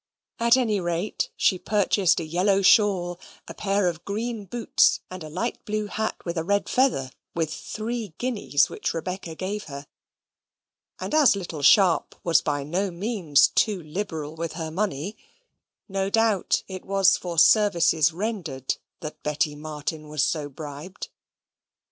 At any rate she purchased a yellow shawl, a pair of green boots, and a light blue hat with a red feather with three guineas which Rebecca gave her, and as little Sharp was by no means too liberal with her money, no doubt it was for services rendered that Betty Martin was so bribed.